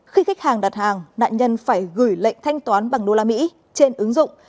khi khách hàng đặt hàng nạn nhân phải gửi lệnh thanh toán bằng đô la mỹ trên ứng dụng